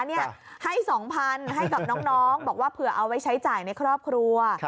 ให้๒๐๐๐ให้กับน้องบอกว่าเผื่อเอาไว้ใช้จ่ายในครอบครัว